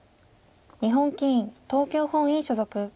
日本棋院東京本院所属。